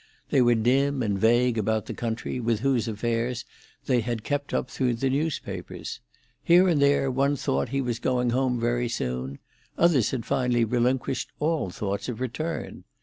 They were dim and vague about the country, with whose affairs they had kept up through the newspapers. Here and there one thought he was going home very soon; others had finally relinquished all thoughts of return.